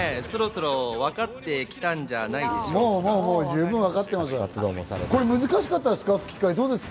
そろそろ、わかってきたんじゃないでしょうか？